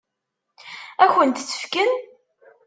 Ad kent-t-fken?